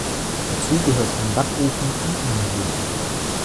Dazu gehört ein Backofen im Innenhof.